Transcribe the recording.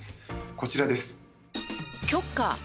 こちらです。